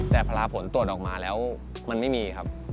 แต่พอผลตรวจออกมาแล้วมันไม่มีครับ